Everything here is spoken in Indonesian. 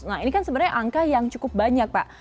nah ini kan sebenarnya angka yang cukup banyak pak